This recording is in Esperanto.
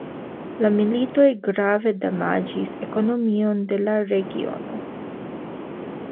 La militoj grave damaĝis ekonomion de la regiono.